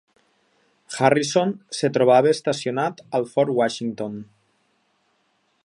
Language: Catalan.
Harrison es trobava estacionat al Fort Washington.